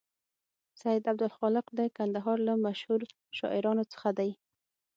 سید عبدالخالق د کندهار له مشهور شاعرانو څخه دی.